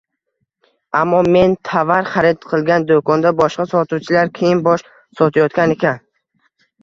Ammo men tovar xarid qilgan do‘konda boshqa sotuvchilar kiyim-bosh sotayotgan ekan.